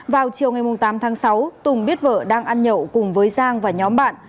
vào chiều ngày tám tháng sáu tùng biết vợ đang ăn nhậu cùng với giang và nhóm bạn